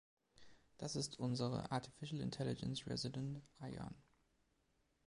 Das ist unsere Artificial Intelligence Resident, Ayaan.